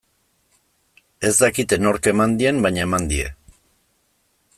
Ez dakite nork eman dien, baina eman die.